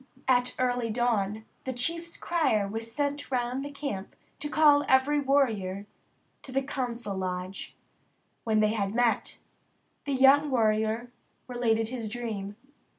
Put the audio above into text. At early dawn the chief's crier was sent round the camp to call every warrior to the council lodge. When they had met, the young warrior related his dream.